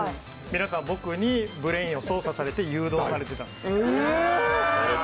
皆さん僕にブレインを操作されていたんです。